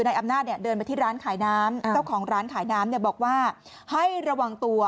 นายอำนาจเนี่ยเดินไปที่ร้านขายน้ำเจ้าของร้านขายน้ำเนี่ยบอกว่าให้ระวังตัว